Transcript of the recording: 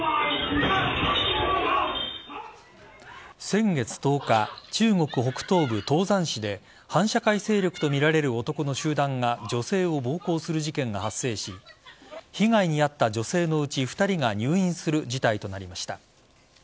先月１０日、中国北東部唐山市で反社会勢力とみられる男の集団が女性を暴行する事件が発生し被害に遭った女性のうち２人が入院する事態となりました。